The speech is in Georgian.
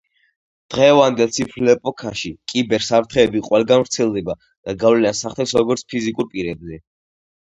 დღევანდელ ციფრულ ეპოქაში კიბერ საფრთხეები ყველგან ვრცელდება და გავლენას ახდენს როგორც ფიზიკურ პირებზე.